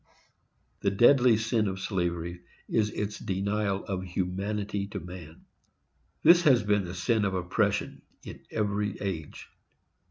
The deadly sin of slavery is its denial of humanity to man. This has been the sin of oppression, in every age.